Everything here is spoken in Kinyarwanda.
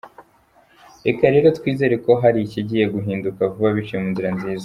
Reka rero twizere ko hari ikigiye guhindika vuba biciye mu nzira nziza.